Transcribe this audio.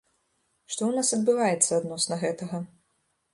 Што ў нас адбываецца адносна гэтага?